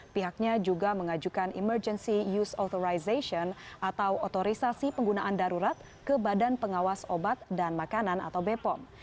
pihaknya juga mengajukan emergency use authorization atau otorisasi penggunaan darurat ke badan pengawas obat dan makanan atau bepom